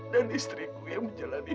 dan istriku yang menjalani